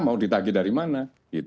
mau di tagih dari mana